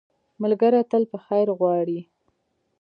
ملګری تل په خیر غواړي